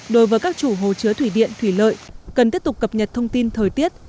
đối với các chủ hồ chứa thủy điện thủy lợi cần tiếp tục cập nhật thông tin thời tiết